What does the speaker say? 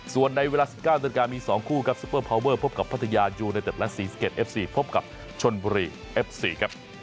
ส่วนในเวลา๑๙นมี๒คู่พบกับพัทยายูเนตเต็ดและศีสเก็ตพบกับชนบุรี